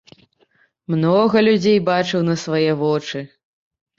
Многа людзей бачыў на свае вочы.